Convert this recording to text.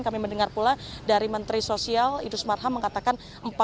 kami mendengar pula dari menteri sosial idrus marham mengatakan